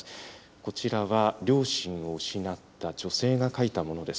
こちらは両親を失った女性が書いたものです。